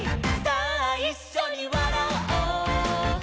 さあいっしょにわらおう」